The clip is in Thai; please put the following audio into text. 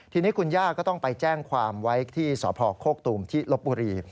ทีนี้คุณย่าก็ต้องไปแจ้งความไว้ที่สพโคกตูมที่ลบบุรี